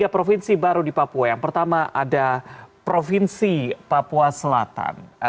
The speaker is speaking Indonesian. tiga provinsi baru di papua yang pertama ada provinsi papua selatan